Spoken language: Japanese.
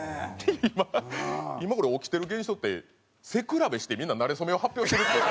今今これ起きてる現象って背比べしてみんななれそめを発表してるっていう。